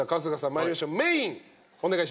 参りましょうメインお願いします。